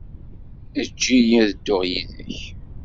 Eǧǧ-iyi ad dduɣ yid-k.